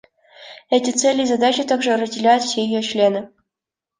Эти цели и задачи также разделяют все ее члены.